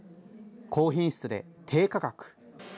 高品質で低価格。